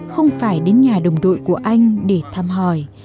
không phải đến nhà đồng đội của anh để thăm hỏi